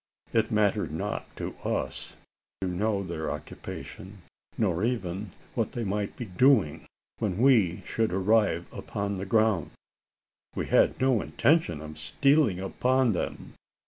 It mattered not to us to know their occupation; nor even what they might be doing when we should arrive upon the ground. We had no intention of stealing upon them.